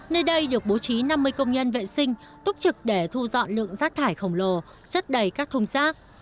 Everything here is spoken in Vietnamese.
nơi đây được bố trí năm mươi công nhân vệ sinh túc trực để thu dọn lượng rác thải khổng lồ chất đầy các thùng rác